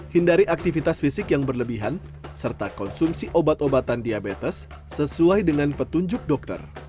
hindari aktivitas fisik yang berlebihan serta konsumsi obat obatan diabetes sesuai dengan petunjuk dokter